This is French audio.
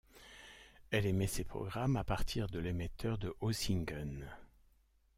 Elle émet ses programmes à partir de l'émetteur de Hosingen.